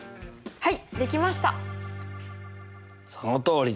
はい。